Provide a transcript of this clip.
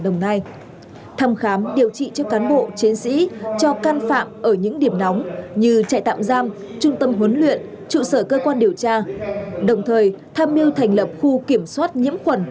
công an tp hcm đã trực tiếp thăm khám điều trị cho cán bộ chiến sĩ cho can phạm ở những điểm nóng như trại tạm giam trung tâm huấn luyện trụ sở cơ quan điều tra đồng thời tham mưu thành lập khu kiểm soát nhiễm khuẩn